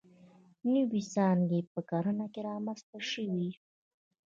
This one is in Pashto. نوې څانګې په کرنه کې رامنځته شوې.